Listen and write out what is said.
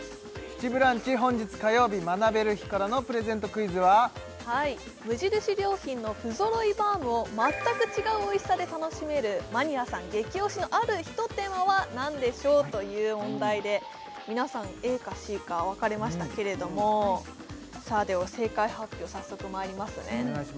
クイズは無印良品の不揃いバウムを全く違うおいしさで楽しめるマニアさん激推しのあるひと手間は何でしょうという問題で皆さんＡかＣか分かれましたけれどもさあでは正解発表早速まいりますね